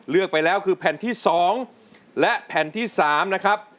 เลือกไปแล้วคือแผ่นที่๒และแผ่นที่๓นะครับ